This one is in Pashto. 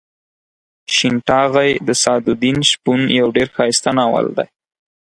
شین ټاغۍ د سعد الدین شپون یو ډېر ښایسته ناول دی.